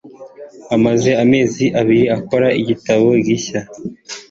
Amaze amezi abiri akora igitabo gishya.